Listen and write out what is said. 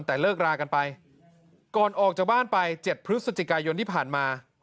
แต่เลิกรากันไปก่อนออกจากบ้านไป๗พฤศจิกายนที่ผ่านมา